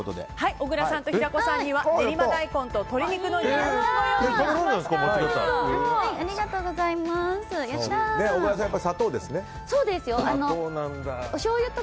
小倉さんと平子さんには練馬大根と鶏肉の煮物をご用意いたしました。